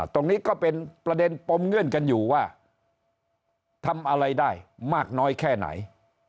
ก็เป็นประเด็นปมเงื่อนกันอยู่ว่าทำอะไรได้มากน้อยแค่ไหน